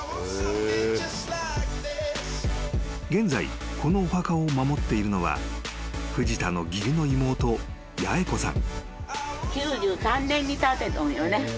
［現在このお墓を守っているのは藤田の義理の妹八重子さん］